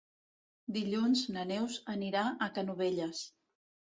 Dilluns na Neus anirà a Canovelles.